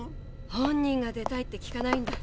本人が「出たい」って聞かないんだ。